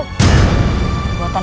kekuatan harus dikalahkan